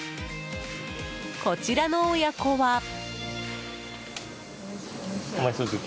こちらの親子は。